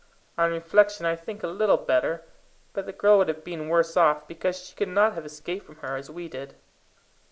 On reflection, I think a little better; but the girl would have been worse off, because she could not have escaped from her as we did.